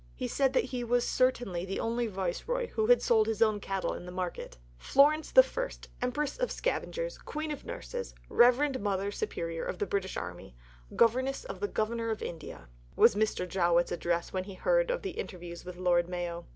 He said that he was certainly the only Viceroy who had sold his own cattle in the market." "Florence the First, Empress of Scavengers, Queen of Nurses, Reverend Mother Superior of the British Army, Governess of the Governor of India" was Mr. Jowett's address when he heard of the interviews with Lord Mayo.